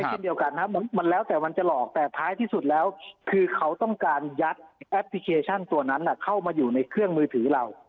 เช่นเดียวกันนะครับมันแล้วแต่มันจะหลอกแต่ท้ายที่สุดแล้วคือเขาต้องการยัดแอปพลิเคชันตัวนั้นเข้ามาอยู่ในเครื่องมือถือเรา